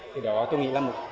thì đó tôi nghĩ là một